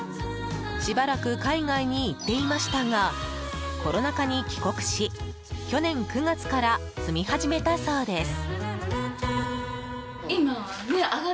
しばらく海外に行っていましたがコロナ禍に帰国し去年９月から住み始めたそうです。